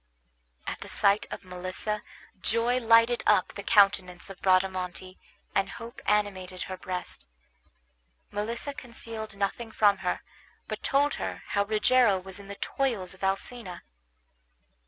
At the sight of Melissa joy lighted up the countenance of Bradamante, and hope animated her breast. Melissa concealed nothing from her, but told her how Rogero was in the toils of Alcina.